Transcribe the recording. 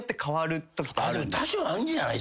多少あるんじゃない？